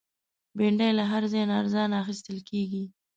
بېنډۍ له هر ځای نه ارزانه اخیستل کېږي